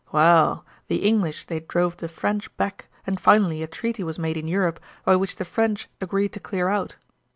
Waal, the English they drove the French back and finally a treaty was made in Europe by which the French agreed to clear out.